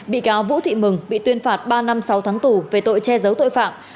bị cáo vũ thị mừng bị tuyên phạt ba năm sáu tháng tù về tội che giấu tội phạm